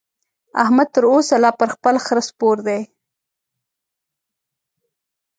احمد تر اوسه لا پر خپل خره سپور دی.